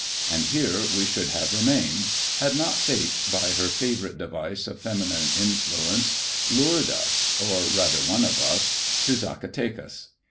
And here we ^should have remained, had not Fate, by her favourite device of feminine influence, lured us — or rather one of us — ^to Zacatecas.